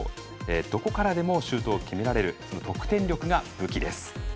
どこからでもシュートを決められる得点力が武器です。